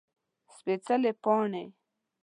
سپيڅلي پاڼې